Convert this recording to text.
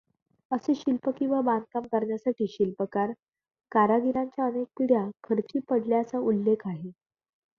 असे शिल्प किंवा बांधकाम करण्यासाठी शिल्पकार कारागीरांच्या अनेक पिढ्या खर्ची पडल्याचा उल्लेख आहे.